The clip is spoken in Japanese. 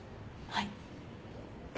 はい。